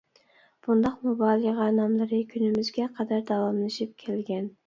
بۇنداق مۇبالىغە ناملىرى كۈنىمىزگە قەدەر داۋاملىشىپ كەلگەن.